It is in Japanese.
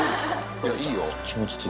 いや、いいよ。